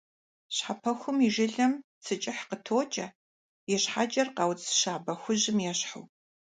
Щхьэпэхум и жылэм цы кӀыхь къытокӀэ, и щхьэкӀэр «къауц» щабэ хужьым ещхьу.